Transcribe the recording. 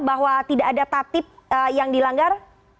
bahwa tidak ada tatip yang dilanggar